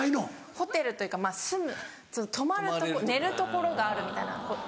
ホテルというか住む泊まるとこ寝る所があるみたいな。